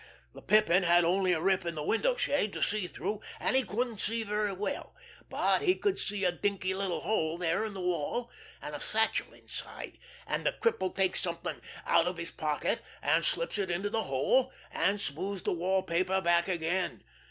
The Pippin had only a rip in the window shade to see through, and he couldn't see very well, but he could see a dinky little hole there in the wall, and a satchel inside, and the cripple takes something out of his pocket and slips it into the hole, and smooths the wall paper back again.